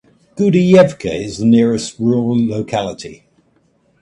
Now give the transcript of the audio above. Gudayevka is the nearest rural locality.